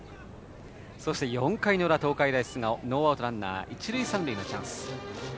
そして４回の裏、東海大菅生ノーアウトランナー一塁三塁のチャンス。